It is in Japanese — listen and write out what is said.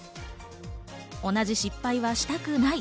同じ失敗はしたくない。